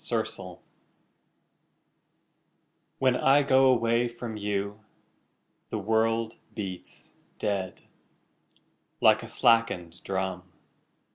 The Taxi When I go away from you The world beats dead Like a slackened drum.